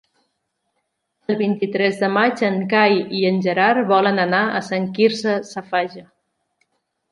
El vint-i-tres de maig en Cai i en Gerard volen anar a Sant Quirze Safaja.